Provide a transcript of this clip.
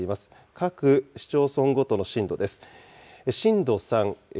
各市町村ごとの震度です。